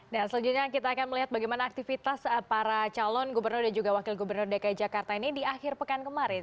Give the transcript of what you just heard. dan selanjutnya kita akan melihat bagaimana aktivitas para calon gubernur dan juga wakil gubernur dki jakarta ini di akhir pekan kemarin